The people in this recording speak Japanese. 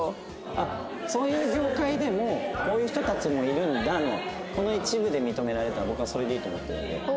「あっそういう業界でもこういう人たちもいるんだ」のこの一部で認められたら僕はそれでいいと思ってるんで。